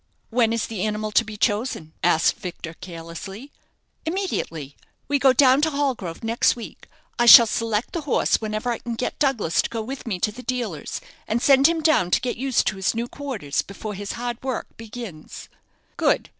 "When is the animal to be chosen?" asked Victor, carelessly. "Immediately. We go down to Hallgrove next week, I shall select the horse whenever I can get Douglas to go with me to the dealer's, and send him down to get used to his new quarters before his hard work begins." "Good.